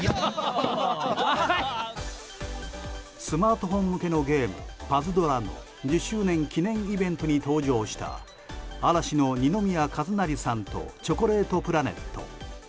スマートフォン向けのゲーム「パズドラ」の１０周年記念イベントに登場した嵐の二宮和也さんとチョコレートプラネット。